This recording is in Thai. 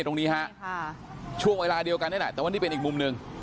ตรงนี้ฮะใช่ค่ะช่วงเวลาเดียวกันได้นะแต่วันที่เป็นอีกมุมหนึ่งโอ้โห